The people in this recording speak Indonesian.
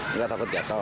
enggak takut gatel